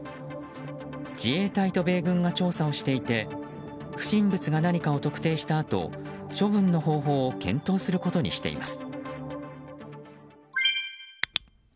自衛隊と米軍が調査をしていて不審物が何かを特定したあと処分の方法を検討することにしています。